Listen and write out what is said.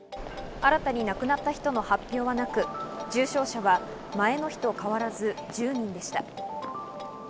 新たに亡くなった人の発表はなく、重症者は前の日と変わらず１０人でした。